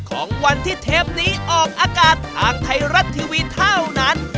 ของวันที่เทปนี้ออกอากาศทางไทยรัฐทีวีเท่านั้น